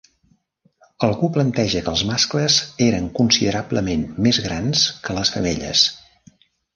Algú planteja que els mascles eren considerablement més grans que les femelles.